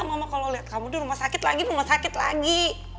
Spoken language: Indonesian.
mama kalau lihat kamu di rumah sakit lagi rumah sakit lagi